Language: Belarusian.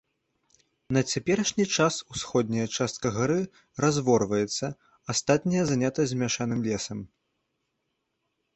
На цяперашні час усходняя частка гары разворваецца, астатняя занята змяшаным лесам.